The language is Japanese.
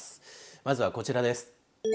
まずはこちらです。